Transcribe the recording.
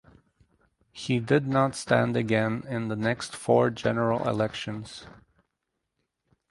He did not stand again in the next four general elections.